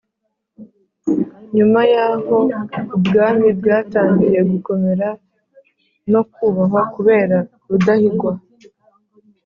Nyuma y'aho ubwami bwatangiye gukomera no kubahwa kubera Rudahigwa